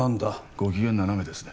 ご機嫌斜めですね